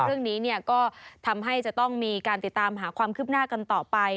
เรื่องนี้ก็ทำให้จะต้องมีการติดตามหาความคืบหน้ากันต่อไป